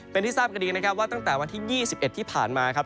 เป็นที่ทราบกันดีนะครับว่าตั้งแต่วันที่๒๑ที่ผ่านมาครับ